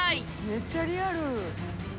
めっちゃリアル。